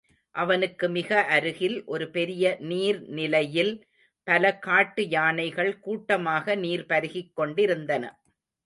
அவனுக்கு மிக அருகில் ஒரு பெரிய நீர்நிலையில் பல காட்டு யானைகள் கூட்டமாக நீர் பருகிக் கொண்டிருந்தன.